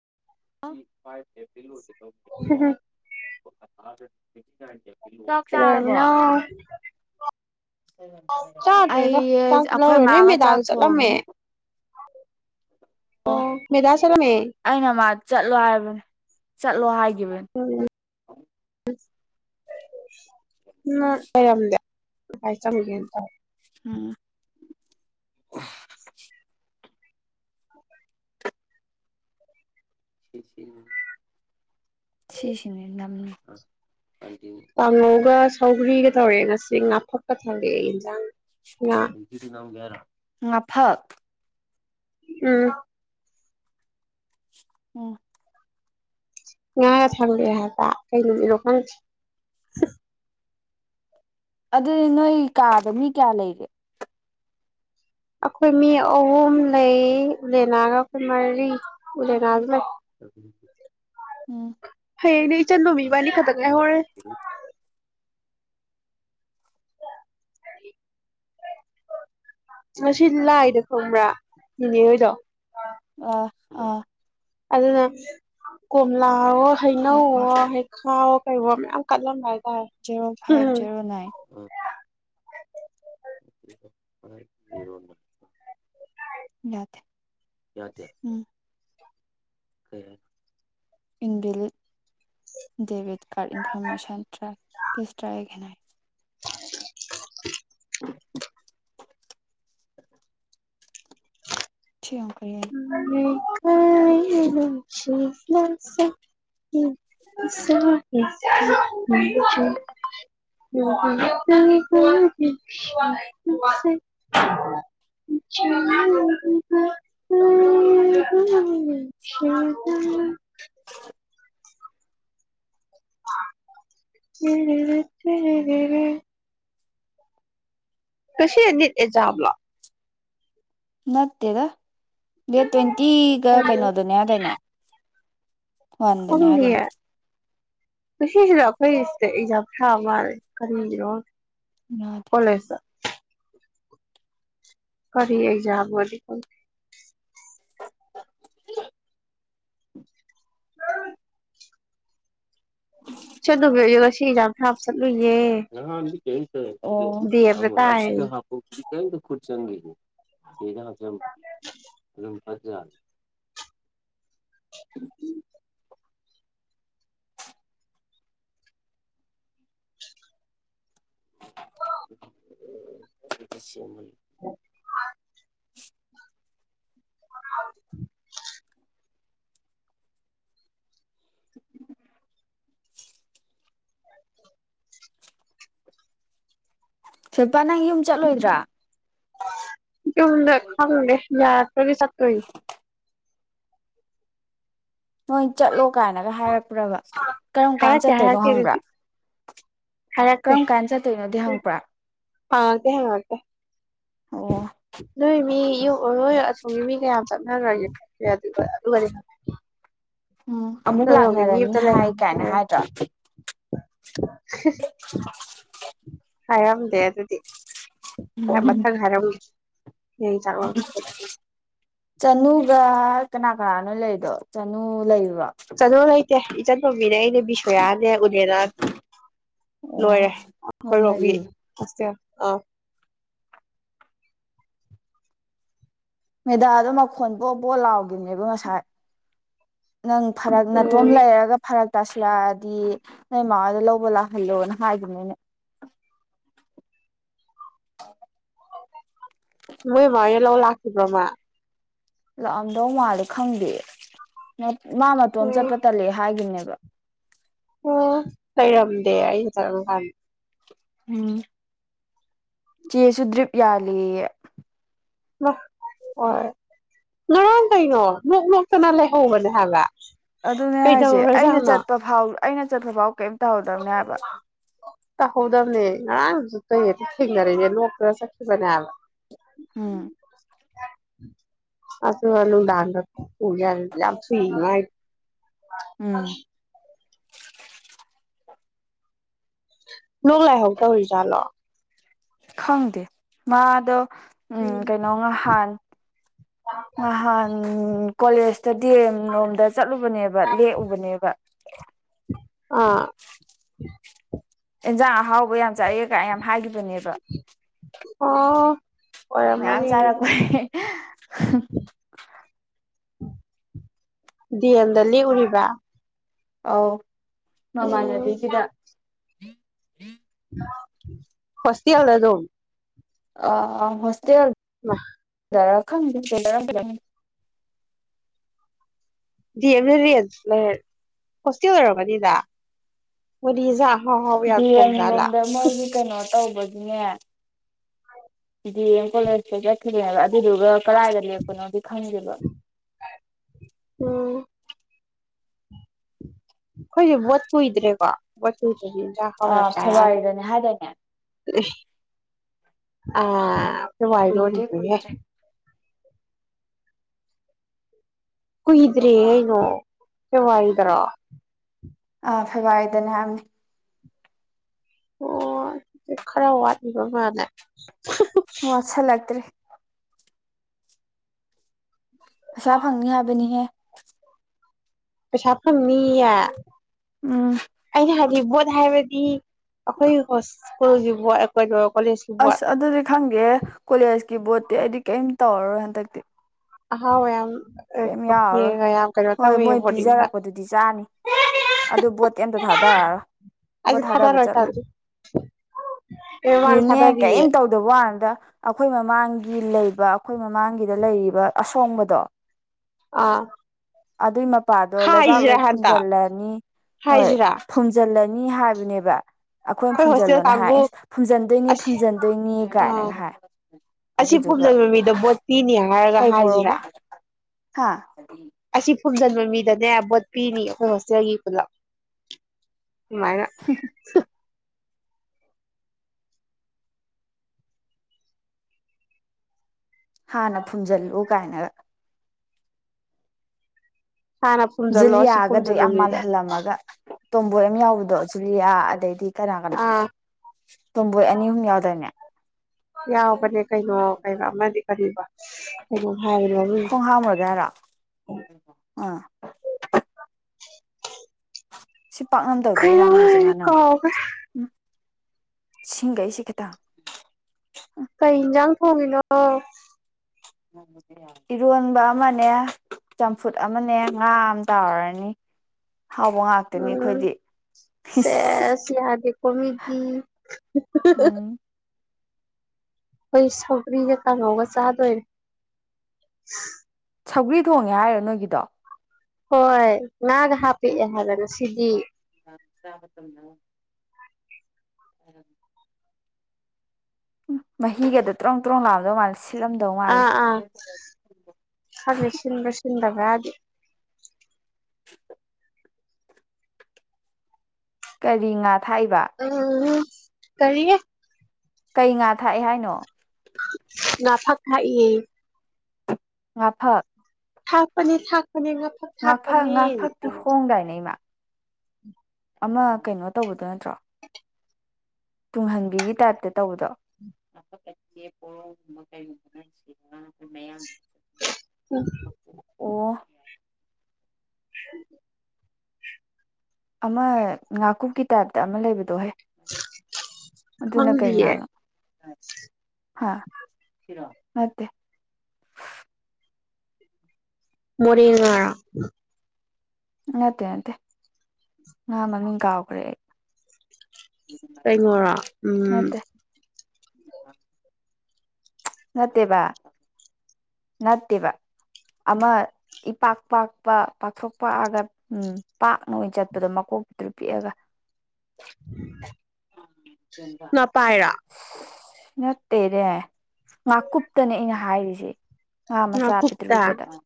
[unintelligible] ꯎꯝ [unintelligible] ꯆꯥꯔꯕꯣ [unintelligible] ꯑꯩ ꯆꯥꯗꯔ꯭ꯤꯗ ꯆꯥꯛ ꯑꯩꯈꯣꯏ ꯂꯧꯔꯦ ꯅꯣꯏ ꯃꯥꯒ ꯃꯦꯗꯥꯜ ꯆꯥꯛ ꯆꯠꯂꯝꯃꯦ ꯊꯣꯡꯉꯤ ꯑꯣ ꯃꯦꯗꯥꯜ ꯑꯩꯅ ꯃꯥ ꯆꯠꯂꯣ ꯍꯥꯏꯕꯅꯦ ꯆꯠꯂꯣ ꯍꯥꯏꯒꯦ ꯎꯝ ꯎꯝ ꯑꯣꯏꯔꯝꯗ ꯀꯥꯏ ꯆ ꯃꯒꯦ ꯇ ꯎꯝ ꯁꯤꯁꯤꯡꯉ ꯌꯥꯝꯝꯅꯤ ꯀ ꯉꯒ ꯁꯧꯒ꯭ꯔꯤꯒ ꯇꯧꯔꯦ ꯉꯁꯤ ꯉꯥꯊꯠꯀ ꯊꯝꯂꯛꯑꯦ ꯏꯟꯁꯥꯡ ꯑꯦꯖꯤꯗꯤ ꯅꯝꯒꯦꯔꯥ ꯃꯐꯛ ꯎꯝ ꯎꯝ ꯉ ꯊꯌꯥ ꯀꯩ ꯅꯨ ꯀ ꯑꯗꯨꯗꯤ ꯅꯣꯏ ꯀꯥꯗ ꯃꯤ ꯀꯌꯥ ꯂꯩꯔꯦ ꯑꯩꯈꯣꯏ ꯃꯤ ꯑꯍꯨꯝ ꯂꯩ ꯎꯂꯦꯅꯥꯒ ꯑꯩꯈꯣꯏ ꯃꯔꯤ ꯎꯂꯦꯅꯥꯁꯨ ꯂꯩ ꯑꯗꯨ ꯍꯌꯦꯡꯅꯦ ꯆꯟ ꯅꯨꯃꯤꯕꯥꯅꯤ ꯈꯇꯪꯅꯦ ꯍꯔꯦ ꯉꯁꯤ ꯂꯥꯏꯗ ꯈꯪꯕ꯭ꯔꯥ ꯏꯅꯦꯍꯣꯏꯗꯣ ꯑ ꯑ ꯑꯗꯨꯅ ꯀꯣꯝꯂꯥ ꯑ ꯍꯅ ꯐꯥꯏꯚ ꯅꯠꯇ꯭ꯔ ꯍꯦꯛ ꯈꯥꯎ ꯀ ꯃꯌꯥꯝ ꯀꯜꯂꯝ ꯍꯥꯏꯥꯏ ꯖꯦꯔꯣ ꯐꯥꯏꯚ ꯖꯦꯔꯣ ꯅꯥꯏꯟ ꯔꯣꯟ ꯌꯥ ꯌꯥ ꯎꯝ ꯏꯟꯚꯜ ꯗꯦꯕꯤꯠ ꯀꯥꯔꯠ ꯏꯟꯐꯣꯔꯃꯦꯁꯟ ꯇ ꯄꯤꯁꯇ꯭ꯔꯒ ꯈꯦꯠꯅꯩ [unintelligible] ꯨ ꯀꯔꯤ ꯍꯥꯏ ꯁ ꯎ ꯍ ꯐꯦ ꯀꯁꯅꯤꯠ ꯑꯦꯖꯕꯂ ꯅꯠꯇꯦꯗ ꯗꯦꯠ ꯇ꯭ꯋꯦꯟꯇꯤꯒ ꯀꯩꯅꯣꯗꯨꯅꯦ ꯍꯥꯏꯗꯅꯦ ꯋꯥꯟꯗꯅꯤ ꯍꯥꯏꯗꯅꯤ ꯄꯨꯁꯤꯗ ꯑꯩꯈꯣꯏꯁꯤꯗ ꯏꯖꯥ ꯐꯥ ꯃꯥꯜꯂꯦ ꯀꯔꯤꯅꯣ ꯌꯥꯗꯦ ꯀꯂꯁ ꯀꯔꯤ ꯑꯦꯛꯖꯥꯝ ꯕꯣꯗꯤꯅꯣ ꯈꯪꯗꯦ ꯏꯆꯟꯇꯣꯝꯕꯤꯗꯣ ꯉꯁꯤ ꯑꯦꯛꯖꯥꯝ ꯊꯥꯕ ꯆꯠꯅꯤ ꯉꯔꯥꯡꯗꯤ ꯀꯩ ꯗꯦꯕꯗꯥ ꯇꯥꯏ ꯑꯌꯦ ꯀꯦꯏꯝꯇ ꯈꯨꯨꯠ ꯆꯪꯈꯤꯗꯦ ꯍꯜꯂꯣ ꯑꯆꯥ ꯎꯝ [unintelligible] [inaudible] [unintelligible] [unintelligible] ꯁꯤꯜꯄꯥ ꯅꯪ ꯌꯨꯝ ꯆꯠꯂꯣꯏꯗ꯭ꯔꯥ ꯌꯨꯝꯗ ꯈꯪꯗꯦ ꯌꯥꯔꯛꯇꯔꯥꯒꯗꯤ ꯆꯠꯇꯣꯏꯅꯤ ꯍꯣꯏ ꯆꯠꯂꯣ ꯀꯥꯏꯅꯒ ꯍꯥꯏꯔꯛꯄ꯭ꯔꯕ ꯀꯔꯝ ꯀꯥꯟꯗ ꯍꯥꯏꯔꯛꯇꯦ ꯆꯠꯇꯣꯏꯅꯣ ꯍꯥꯏꯔꯛꯇꯦ ꯍꯪꯕ꯭ꯔꯥ ꯑꯗꯨꯗꯤ ꯍꯥꯏꯔꯛꯇꯦ ꯀꯔꯝ ꯀꯥꯟꯗ ꯆꯠꯇꯣꯏꯅꯣꯗꯤ ꯍꯪꯕ꯭ꯔꯥ ꯍꯪꯉꯛꯇꯦ ꯍꯪꯉꯛꯇꯦ ꯑꯣ ꯍ ꯍꯣꯏ ꯑꯁꯣꯝꯒꯤ ꯃꯤ ꯀꯌꯥꯝ ꯆꯠꯅꯈꯔꯒꯦ ꯈꯪꯗꯦ ꯑꯗꯨꯒꯗꯤ ꯎꯝ ꯑꯃꯨꯛ ꯅꯣꯏꯔꯣꯝꯒꯤ ꯃꯤ ꯂꯥꯛꯅꯔꯅꯤ ꯑꯝꯇ ꯍꯥꯏ ꯀꯥꯏꯅ ꯂꯩꯍꯧꯗ꯭ꯔꯦ ꯍꯥꯏꯗ꯭ꯔꯣ [unintelligible] ꯍꯥꯏꯔꯝꯗꯦ ꯑꯗꯨꯗꯤ ꯍꯣꯏ ꯃꯊꯪ ꯍꯥꯏꯔꯝꯒꯦ ꯍꯌꯦꯡ ꯆꯥꯛꯂꯥꯝ ꯆꯠꯄꯗ ꯆꯅꯨꯒꯥ ꯀꯅꯥ ꯀꯅꯥꯅꯣ ꯂꯩꯗꯣ ꯆꯅꯨ ꯂꯩꯔꯤꯕꯣ ꯆꯅꯨ ꯂꯩꯇꯦ ꯏꯆꯟꯇꯣꯝꯕꯤꯅꯦ ꯑꯩꯅꯦ ꯕꯤꯁꯣꯌꯥꯅꯦ ꯎꯅꯦꯂꯥꯅꯦ ꯑꯣ ꯂꯣꯏꯔꯦ ꯅꯣꯏ ꯑꯩꯈꯣꯏꯔꯣꯝꯒꯤ ꯃꯔꯤ ꯍꯣꯁꯇꯦꯜ ꯑꯥ ꯃꯦꯗꯥꯗꯣ ꯃꯈꯣꯟ ꯕꯣꯕꯣ ꯂꯥꯎꯈꯤꯕꯅꯦꯕ ꯉꯁꯥꯏ ꯅꯪ ꯐꯔꯛ ꯅꯥꯇꯣꯝ ꯎꯝ ꯂꯩꯔꯒ ꯐꯔꯛ ꯇꯁꯜꯂꯥꯛꯗꯤ ꯅꯣꯏ ꯃꯥꯍꯣꯏꯗ ꯂꯧꯕ ꯂꯥꯛꯍꯜꯂꯣꯅ ꯍꯥꯏꯕꯅꯦ ꯑꯩꯅꯥ ꯑꯣ ꯃꯣꯏ ꯃꯥꯍꯣꯏꯅ ꯂꯧꯕ ꯂꯥꯛꯈꯤꯕ꯭ꯔꯣ ꯃꯥ ꯂꯥꯛꯑꯝꯗꯧ ꯃꯥꯜꯂꯦ ꯈꯪꯗꯤꯌꯦ ꯃꯥ ꯃꯇꯣꯝ ꯆꯠꯄ ꯇꯠꯂꯦ ꯍꯥꯏꯒꯤꯅꯦꯕ [unintelligible] ꯑꯣ ꯂꯩꯔꯝꯗꯦ ꯑꯩꯁꯨ ꯆꯠꯂꯝꯗꯧ ꯃꯥꯟꯕ ꯎꯝ ꯆꯦꯁꯨ ꯗ꯭ꯔꯤꯞ ꯌꯥꯜꯂꯤꯌꯦ ꯍꯣꯏ ꯉꯔꯥꯡ ꯀꯩꯅꯣ ꯅꯣꯛ ꯅꯣꯛꯇꯅ ꯂꯩꯍꯧꯕꯅꯦ ꯍꯥꯏꯕ ꯑꯗꯨꯅꯦ ꯍꯥꯏꯁꯦ ꯑꯩꯅ ꯀꯩꯗꯧꯔꯖꯥꯠꯅꯣ ꯆꯠꯄ ꯐꯥꯎꯕ ꯑꯩꯅ ꯆꯠꯕꯐꯥꯎ ꯀꯩ ꯇ ꯍꯗꯝꯅꯦ ꯑꯥꯏ ꯗꯤ ꯊꯦꯡꯅꯔꯦꯦ ꯅꯣꯀꯔ ꯆꯕꯅꯦ ꯎꯝ ꯑꯁ ꯍꯂ ꯎꯗꯥꯥꯟ ꯄ ꯌꯥ ꯌꯥꯝ ꯐ ꯑ ꯎꯝ ꯂꯣꯛ ꯂꯥꯏꯍꯧ ꯇꯧꯔꯤꯖꯥꯠꯂꯣ ꯈꯪꯗꯦ ꯃꯥꯗꯣ ꯎꯝ ꯀꯩꯅꯣ ꯉꯍꯥꯟ ꯉꯍꯥꯟ ꯀꯣꯂꯦꯖꯇꯗꯤ ꯅꯣꯝꯗ ꯆꯠꯂꯨꯕꯅꯦꯕ ꯂꯦꯛꯎꯕꯅꯦꯕ ꯑꯥ ꯑꯦꯟꯖꯍꯥꯎ ꯑꯣꯕꯣ ꯌꯥꯝ ꯆꯥꯔꯦ ꯀꯥꯏ ꯌꯥꯝ ꯍꯥꯏꯈꯤꯕꯅꯦꯕ ꯑꯣ ꯃꯌꯥꯝ ꯑꯣꯏꯔꯝꯃꯅꯤ ꯆꯥꯔ ꯑꯗꯨꯗꯤ ꯀ ꯌꯦꯜꯗꯜꯂꯤ ꯎꯔꯤꯕ ꯑ ꯃꯃꯥꯟꯅꯕꯤꯒꯤꯗ ꯏ ꯍ ꯍꯁꯤ ꯌꯥꯜꯗ ꯑꯗꯨꯣ ꯑ ꯍꯁꯦ ꯋꯥ ꯔ ꯈꯪꯗꯦꯁꯔꯝ D M A range hostel ꯑꯣꯏꯔꯝꯒꯅꯤꯗ ꯃꯅꯤꯖꯥ ꯗꯤꯅꯤꯡꯒꯨꯝꯗ ꯃꯣꯏꯒꯤ ꯀꯩꯅꯣ ꯇꯧ ꯗꯤꯦ ꯀꯣꯂꯁ ꯆ ꯑꯗꯨꯗꯨꯒ ꯀꯗꯥꯏꯗ ꯂꯦꯞꯄꯅꯣꯗꯤ ꯈꯪꯒꯦꯕ ꯎꯝ ꯑꯩꯈꯣꯏꯁꯨꯦ ꯕꯣꯠ ꯀꯨꯏꯗ꯭ꯔꯦꯀꯣ ꯕꯣꯠ ꯀꯨꯏꯗꯦ ꯆ ꯍꯕ ꯑꯥ ꯆꯔ ꯐꯦꯕꯋꯥꯔꯤꯗꯅꯦ ꯍꯥꯏꯗꯥꯏꯅꯦ ꯑꯥ ꯁꯋꯥꯥꯏ ꯑꯣꯏꯔꯤ ꯀꯨꯏꯗ꯭ꯔꯦ ꯄꯩ ꯀꯨꯏꯗ꯭ꯔꯦ ꯀꯨꯍꯤꯗ꯭ꯔꯤꯩꯅꯣ ꯀꯋꯥꯗ꯭ꯔꯥ ꯑ ꯐꯕꯏꯗꯅꯦ ꯍꯥꯏꯅꯤ ꯑꯣ ꯈꯔ ꯋꯥꯠꯕ ꯃꯥꯅꯦ ꯋꯥꯠꯁꯜꯂꯛꯇ꯭ꯔꯦ ꯑꯁꯥ ꯐꯪꯅꯤ ꯍꯥꯏꯕꯅꯤꯍꯦ ꯄꯩꯁꯥ ꯄꯅꯤꯌꯥ ꯎꯝ ꯖꯤꯕꯣꯠ ꯍꯥꯏꯔꯗꯤ ꯑꯩꯈꯣꯏ ꯍꯣꯁꯀꯜꯒꯤꯕꯣ ꯀ ꯑꯁ ꯑꯗꯨꯗꯤ ꯈꯪꯒꯦ ꯀꯣꯂꯦꯖ ꯀꯤꯕꯣꯣꯔꯠꯇꯤ ꯑꯩꯗꯤ ꯀꯩꯝ ꯇꯧꯔꯔꯣꯏ ꯍꯟꯗꯛꯇꯤ ꯑꯍꯥꯎꯋ ꯌꯥꯝ ꯀꯩꯝ ꯌꯥꯎꯔꯔꯣꯏ ꯀꯦꯒ ꯌꯥꯝ ꯀꯩꯅꯣ ꯍꯣꯏ ꯇꯧꯋꯦ ꯃꯣꯏ ꯕꯣꯔꯗꯤꯡꯗ ꯄꯤꯖꯔꯛꯄꯗꯨꯗꯤ ꯆꯥꯅꯤ ꯑꯗꯨ ꯕꯣꯠꯇ ꯑꯝꯇ ꯊꯥꯗꯔꯛꯔꯣꯏ ꯕꯣꯠ ꯑꯩꯁꯨ ꯊꯥꯗꯕ ꯊꯥꯗꯔꯣꯏ ꯊꯥꯗꯔꯤ ꯑꯩ ꯃꯃꯥꯡ ꯆꯠꯂꯣꯏꯅꯦ ꯊꯥꯗꯔꯤꯌꯦ ꯀꯔꯤꯝ ꯇꯧꯗꯕ ꯋꯥꯅꯗ ꯑꯩꯈꯣꯏ ꯃꯃꯥꯡꯒꯤ ꯂꯩꯕ ꯑꯩꯈꯣꯏ ꯃꯃꯥꯡꯒꯤꯗ ꯂꯩꯔꯤꯕ ꯑꯁꯣꯡꯕꯗꯣ ꯑꯥ ꯑꯗꯨ ꯃ ꯅꯨꯄꯥꯗꯣ ꯂꯩꯕꯥꯛ ꯍꯥꯏꯁꯤꯔꯥ ꯂꯣꯏ ꯍꯟꯇꯛ ꯐꯨꯝꯖꯤꯜꯂꯅꯤ ꯍꯣꯏ ꯍꯥꯏꯁꯤꯔꯥ ꯐꯨꯝꯖꯤꯜꯂꯅꯤ ꯅꯤ ꯍꯥꯏꯕꯅꯦꯕ ꯑꯩꯈꯣꯏꯅ ꯑꯩꯈꯣꯏ ꯍꯣꯁꯇꯦꯜ ꯐꯨꯝꯖꯤꯜꯂꯣꯅ ꯍꯥꯏ ꯀꯥꯡꯕꯨ ꯏꯁꯁ ꯐꯨꯝꯖꯟꯗꯣꯏꯅꯤ ꯑꯁ ꯐꯨꯝꯖꯟꯗꯣꯏꯅꯤ ꯑꯥ ꯀꯥꯏꯅꯒ ꯍꯥꯏ ꯑꯁꯤ ꯑꯗꯨꯗꯨꯒ ꯐꯨꯝꯖꯤꯟꯕ ꯃꯤꯗꯣ ꯕꯣꯠ ꯄꯤꯅꯤ ꯍꯥꯏꯔꯒ ꯀꯩ ꯍꯥꯏꯁꯤꯔꯥ ꯄꯣꯔꯣꯕ ꯍꯥ ꯈꯨꯝꯖꯤꯟꯕ ꯃꯤꯗꯅꯦ ꯕꯣꯠ ꯄꯤꯅꯤ ꯑꯩꯈꯣꯏ ꯍꯣꯁꯇꯦꯜꯒꯤ ꯄꯨꯂꯞ ꯃꯥꯏꯅ ꯍ ꯅ ꯐꯨꯟꯖꯜ ꯎ ꯀꯥꯏꯅꯦ ꯍꯥꯟꯅ ꯐꯨꯝꯖꯤꯜꯂꯣ ꯁꯤ ꯖꯨꯂꯤꯌꯥꯒꯗꯣ ꯐꯨꯝꯖꯤꯟꯕ ꯌꯥꯝ ꯃꯤꯗ ꯃꯥꯜꯍꯜꯂꯝꯃꯒ ꯇꯣꯝꯕꯣꯏ ꯑꯃ ꯌꯥꯎꯕꯗꯣ ꯖꯨꯂꯤꯌꯥ ꯑꯗꯩꯗꯤ ꯀꯅꯥ ꯀꯅꯥ ꯑꯥ ꯇꯣꯝꯕꯣꯏ ꯑꯅꯤ ꯑꯍꯨꯝ ꯌꯥꯎꯗꯣꯏꯅꯦ ꯌꯥꯎꯕꯅꯦ ꯀꯩꯅꯣ ꯀꯩꯅꯣ ꯑꯃꯗꯤ ꯀꯔꯤ ꯈꯣꯡꯍꯝ ꯒꯦꯔ ꯑꯥ ꯁꯤ ꯄꯥꯛꯅꯝ ꯀꯩꯅꯣꯝ ꯇꯧꯗꯣꯏꯃꯅꯒꯤꯁꯦ ꯍꯥꯏꯕꯅꯦ ꯉꯥꯟꯅꯕ ꯀꯥꯎꯈ꯭ꯔꯦ ꯎ ꯁꯤꯁꯤꯡꯒꯩꯁꯤ ꯀꯗ ꯍꯅ ꯏꯔꯣꯟꯕ ꯑꯃꯅꯦ ꯆꯝꯐꯨꯠ ꯑꯃꯅꯦ ꯉꯥ ꯑꯃ ꯇꯥꯎꯔꯅꯤ ꯍꯥꯎꯕ ꯉꯥꯛꯇꯅꯤ ꯎꯝ ꯑꯩꯈꯣꯏꯗꯤ ꯁ ꯁꯤꯌꯥꯗꯦ ꯀꯃꯤꯗꯤ ꯎꯝ ꯑꯩꯈꯣꯏ ꯁꯧꯒ꯭ꯔꯤꯒ ꯀꯥꯡꯪꯍꯧꯒ ꯆꯥꯗꯣꯏꯔ ꯁꯧꯒ꯭ꯔꯤ ꯊꯣꯡꯉꯦ ꯍꯥꯏꯔꯣ ꯅꯣꯏꯒꯤꯗꯣ ꯍꯣꯏ ꯉꯥꯒ ꯍꯥꯞꯄꯤꯛꯑꯦ ꯍꯥꯏꯗꯅ ꯁꯤꯗꯤ ꯇꯕꯇ ꯅ ꯎꯝ ꯎ ꯃꯍꯤꯒꯗ ꯇꯔꯨ ꯇꯔꯨ ꯂꯥꯛꯑꯝꯗꯧ ꯃꯥꯜꯂꯁꯤ ꯑ ꯑꯥ ꯐꯦ ꯁꯤꯟꯗꯔ ꯁꯟꯗꯔ ꯔꯒ [unintelligible] ꯀꯔꯤ ꯉ ꯊꯥꯏꯕ ꯎꯝ ꯀꯔꯤ ꯀꯩ ꯉꯥ ꯊꯥꯛꯑꯦ ꯍꯥꯏꯅꯣ ꯉꯥꯐꯛ ꯊꯥꯛꯏ ꯉꯥ ꯐꯛ ꯊꯥꯛꯄꯖꯦ ꯊꯥꯛ ꯉꯥꯛꯐꯛ ꯉꯥꯛꯐꯛꯇꯤ ꯍꯣꯡꯗꯥꯏꯅꯦ ꯏꯃꯥ ꯑꯃ ꯀꯩꯅꯣ ꯇꯧꯕꯗꯣ ꯅꯠꯇ꯭ꯔꯣ [unintelligible] ꯇꯨꯡꯍꯟꯕꯤꯒꯤ ꯇꯥꯏꯞꯇ ꯇꯧꯕꯗꯣ [inaudible] [unintelligible] ꯑꯣ ꯎ [inaudible] ꯑꯃ ꯉꯥꯀꯨꯞꯀꯤ ꯇꯥꯏꯞꯇ ꯑꯃ ꯂꯩꯕꯗꯣꯍꯦ ꯑꯗꯨꯅ ꯀꯩ ꯈꯪꯗꯤꯌꯦ ꯉꯥꯅꯣ ꯍꯥ ꯁꯤꯔꯣ ꯅꯠꯇꯦ ꯃꯣꯔꯦ ꯉꯥ ꯅꯠꯇꯦ ꯅꯠꯇꯦ ꯉꯥ ꯃꯃꯤꯡ ꯀꯥꯎꯈ꯭ꯔꯦ ꯑꯩ ꯀꯩꯅꯣꯔꯣ ꯎꯝ ꯎ [inaudible] ꯅꯠꯇꯦꯕ ꯅꯠꯇꯦꯕ ꯑꯃ ꯏꯄꯥꯛ ꯄꯥꯛꯄ ꯄꯥꯛꯊꯣꯛ ꯄꯥꯛꯑꯒ ꯎꯝ ꯄꯥꯛꯅ ꯑꯣꯏꯅ ꯆꯠꯄꯗꯣ ꯃꯀꯣꯛ ꯄꯤꯛꯇꯔꯨ ꯄꯤꯛꯑꯒ [unintelligible] ꯅꯄꯥꯏꯔ ꯅꯠꯇꯦꯔꯦ ꯉꯥꯀꯨꯞꯇꯅꯦ ꯑꯩꯅ ꯍꯥꯏꯔꯤꯁꯦ ꯉꯥ ꯃꯆꯥ ꯄꯤꯛꯇ꯭ꯔꯨ ꯉꯥꯀꯨꯞꯇ ꯄꯤꯛꯄꯗ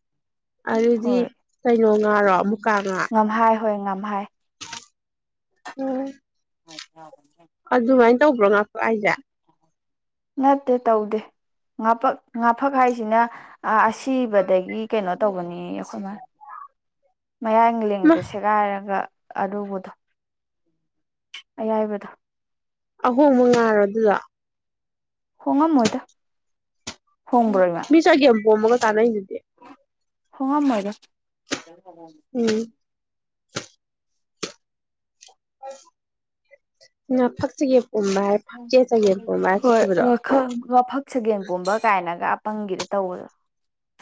ꯑꯗꯨꯗꯤ ꯍꯣꯏ ꯀꯩꯅꯣ ꯉꯥꯔꯣ ꯃꯨꯀꯥ ꯉꯥ ꯚꯥꯏ ꯎꯝ ꯑ ꯑꯗꯨꯃꯥꯏꯅ ꯇꯧꯕ꯭ꯔꯣ ꯉꯥ ꯑꯩꯏꯖ ꯅꯠꯇꯦ ꯇꯧꯗꯦ ꯉꯥꯛ ꯉꯥꯐꯛ ꯍꯥꯏꯁꯤꯅ ꯑꯁꯤꯕꯗꯒꯤ ꯑꯩꯒꯤ ꯀꯩꯅꯣ ꯇꯧꯕꯅꯤ ꯑꯩꯈꯣꯏ ꯃꯥꯅ ꯃꯌꯥꯡ ꯃꯥ ꯂꯦꯡꯗ ꯁꯦꯒꯥꯏꯔꯒ ꯑꯗꯨꯕꯨꯗꯣ ꯑꯌꯥꯏꯕꯗ ꯑꯍꯣꯡꯕ ꯉꯥꯏꯔ ꯗꯨꯔꯣ ꯍꯣꯡꯉꯝꯃꯣꯏꯗ ꯍꯣꯡꯕ꯭ꯔꯣ ꯏꯃꯥ ꯎ ꯃꯤ ꯆꯥꯒꯦꯄꯣꯝꯕꯒꯥ ꯆꯥꯅꯩ ꯗꯨꯗꯤ ꯍꯣꯡꯉꯥꯝ ꯃꯣꯏꯗꯥ ꯎ ꯎꯝ [unintelligible] ꯑ ꯐꯛꯁꯤꯒꯤ ꯍꯣꯏ ꯋꯥꯜ ꯋꯥꯐꯛ ꯁꯒꯦꯟ ꯄꯨꯝꯕ ꯀꯥꯏꯅꯒ ꯄꯪꯒꯤꯗ ꯇꯧꯕꯗꯣ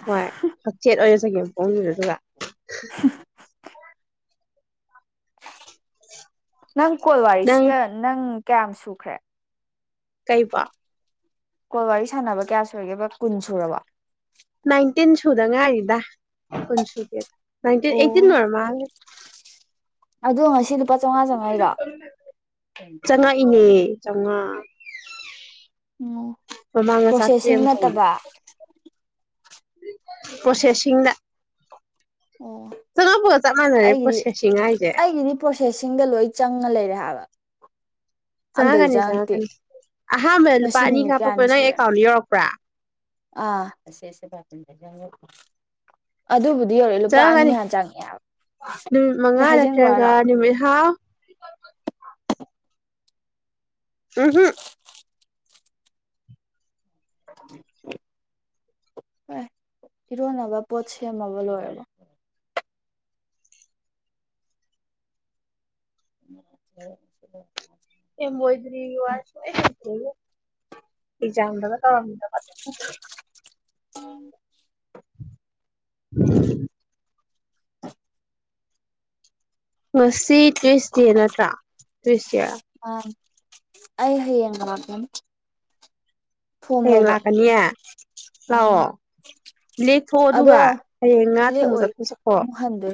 ꯍꯣꯏ ꯍꯛꯆꯦꯠ ꯑꯣꯏꯅ ꯆꯪꯒꯦꯝ ꯄꯣꯡꯉꯗꯗꯨ ꯅꯪ ꯀꯣꯜ ꯅꯪ ꯋꯥꯔꯤꯁꯤꯒ ꯅꯪ ꯀꯌꯥꯝ ꯁꯨꯈ꯭ꯔꯦ ꯀꯩꯕ ꯀꯣꯜ ꯋꯥꯔꯤ ꯁꯥꯟꯅꯕ ꯀꯌꯥ ꯁꯨꯔꯤꯒꯦꯕ ꯀꯨꯟ ꯁꯨꯔꯕ ꯟꯇꯤꯟ ꯁ ꯗꯉꯗ ꯄꯨꯟꯁꯨꯄꯦꯗ ꯟꯇꯤꯟ ꯑꯩꯠꯇꯤꯟ ꯅꯔꯃꯜ ꯑꯗꯨꯗ ꯁꯤꯗ ꯂꯨꯄꯥ ꯆꯥꯃꯉꯥ ꯆꯥꯉꯩꯔꯣ ꯆꯪꯉꯛꯏꯅꯦ ꯆꯥꯝꯃꯉꯥ ꯑꯣ ꯃꯃꯥꯡꯗ ꯆꯥꯇ꯭ꯔꯦꯠ ꯄ꯭ꯔꯣꯁꯦꯁꯤꯡ ꯑꯃ ꯆꯪꯉꯛ ꯅꯠꯇꯕ ꯄ꯭ꯔꯣꯁꯦꯁꯤꯡꯗ ꯑꯣ ꯆꯪꯉꯛꯄꯒ ꯆꯞ ꯃꯥꯟꯅꯔꯦ ꯑꯩꯒꯤꯗꯤ ꯄ꯭ꯔꯣꯁꯦꯁꯤꯡ ꯍꯥꯏꯁꯦ ꯑꯩꯒꯤꯗꯤ ꯄ꯭ꯔꯣꯁꯦꯁꯤꯡꯗ ꯂꯣꯏ ꯆꯪꯉ ꯂꯩꯔꯦ ꯍꯥꯏꯕ ꯑꯝꯇꯗꯤ ꯆꯪꯉꯛꯀꯅꯤ ꯆꯪꯉꯛꯇꯦ ꯆꯪꯉꯛꯀꯅꯤ ꯑꯍꯥꯟꯕꯗ ꯂꯨꯄꯥ ꯉꯁꯤ ꯑꯅꯤ ꯅꯨꯃꯤꯠ ꯀꯥꯞꯄꯛꯄ ꯅꯪ ꯑꯦꯀꯥꯎꯟꯗ ꯌꯧꯔꯛꯄ꯭ꯔꯥ ꯑ ꯑꯗꯨ ꯆꯪꯒꯅꯤ ꯅꯨꯃꯤꯠ ꯑꯝꯇ ꯃꯉꯥ ꯍꯥꯏꯖꯟꯈ꯭ꯔꯣ ꯅꯠꯇ꯭ꯔꯒ ꯍꯥꯏꯔꯣ ꯅꯨꯃꯤꯠ ꯍꯥꯎ ꯍ ꯍ ꯍꯣꯏ ꯏꯔꯣꯟꯅꯕ ꯄꯣꯠ ꯁꯦꯝꯃꯕ ꯂꯣꯏꯔꯕ [inaudible] ꯃꯣꯏꯗꯔꯤ ꯌ ꯋꯥꯁꯨ ꯆꯗ ꯇꯧꯔ ꯑꯝ ꯎꯝ ꯉꯁꯤ ꯇ꯭ꯋꯁ ꯗꯦ ꯅꯠꯇ꯭ꯔꯥ ꯇ꯭ꯋ [inaudible] ꯑꯥ ꯑꯩ ꯍ ꯌꯦ ꯉ ꯍꯌꯦꯡ ꯂꯥꯛꯀꯅꯤꯌꯦ ꯑꯪ ꯂꯥꯛꯑꯣ ꯂꯦꯛꯊꯣꯛꯑꯣ ꯑꯗꯣ ꯑꯗꯨꯒ ꯍꯌꯦꯡ ꯉꯥ ꯊꯣꯡꯕ ꯂꯦꯛꯑꯣꯏ ꯆꯠꯄ ꯆꯠꯀꯣ ꯑꯃꯨꯛ ꯍꯟꯗꯣꯏ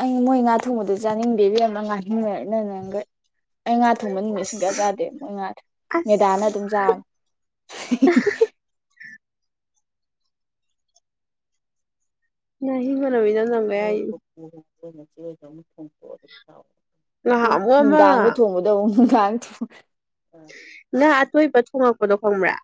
ꯑꯩ ꯃꯣꯏ ꯉꯥ ꯊꯣꯡꯕꯗ ꯆꯥꯅꯤꯡꯕꯤꯦꯕꯤ ꯑꯃ ꯉꯥꯏꯍꯟꯅꯔꯦ ꯅ ꯅꯪꯒ ꯑꯩ ꯉꯥ ꯊꯣꯡꯕ ꯅꯨꯃꯤꯠ ꯑꯁ ꯁꯨꯡꯌꯥ ꯆꯥꯗꯦ ꯃꯣꯏ ꯉꯥ ꯑꯁ ꯃꯦꯗꯥꯅ ꯑꯗꯨꯝ ꯆꯥꯕ [inaudible] ꯅ ꯅꯃꯤꯅ ꯅꯒꯌꯥ ꯏ ꯑꯩꯈꯣꯏ ꯃꯆꯦꯗ ꯊꯣꯡꯣꯛꯑꯣ ꯑꯗꯨꯝ ꯎ ꯉꯍꯥꯟꯃꯨꯛ ꯑꯃ ꯅꯨꯡꯗꯥꯡꯗ ꯊꯣꯡꯕꯗꯧ ꯆ ꯊ ꯅ ꯑꯇꯣ ꯄ ꯐꯣꯡꯉꯛꯄꯗꯣ ꯈꯣꯡꯕ꯭ꯔꯥ